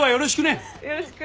よろしく。